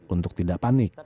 untuk tidak panik